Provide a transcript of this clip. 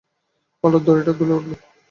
হঠাৎ দড়িটা দুলে উঠলো।